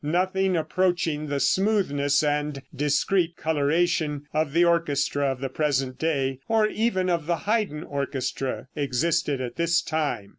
Nothing approaching the smoothness and discreet coloration of the orchestra of the present day, or even of the Haydn orchestra, existed at this time.